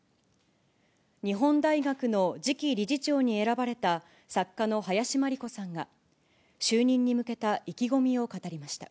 日本大学の次期理事長に選ばれた作家の林真理子さんが、就任に向けた意気込みを語りました。